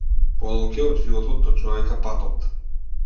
Подолг е од животот до човека патот.